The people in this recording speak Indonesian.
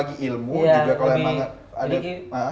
jadi pengen berbagi ilmu